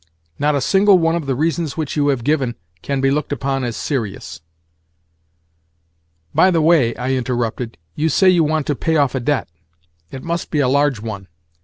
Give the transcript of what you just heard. Not a single one of the reasons which you have given can be looked upon as serious." "By the way," I interrupted, "you say you want to pay off a debt. It must be a large one.